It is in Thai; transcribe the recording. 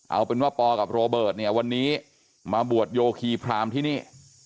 เอาเป็นว่าปอกับโรเบิร์ตเนี่ยวันนี้มาบวชโยคีพรามที่นี่